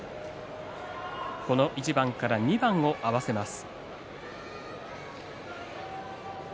この一番から２番を合わせます。